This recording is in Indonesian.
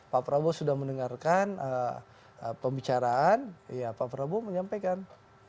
pak prabowo sudah mendengarkan pembicaraan ya pak prabowo menyampaikan